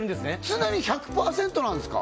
常に１００％なんですか？